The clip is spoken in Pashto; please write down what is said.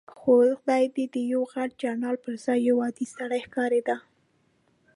خو دی د یوه غټ جنرال پر ځای یو عادي سړی ښکارېده.